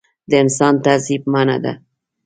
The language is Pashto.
د انسان تعذیب منعه دی.